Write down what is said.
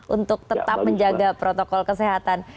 untuk tetap menjaga protokol kesehatan